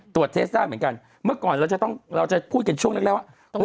ตรวจทดได้เหมือนกันเมื่อก่อนเราจะต้องพูดช่วงเร็ว